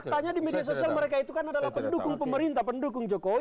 faktanya di media sosial mereka itu kan adalah pendukung pemerintah pendukung jokowi